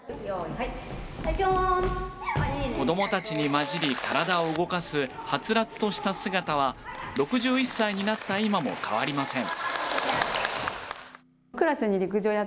子どもたちに混じり体を動かすはつらつとした姿は６１歳になった今も変わりません。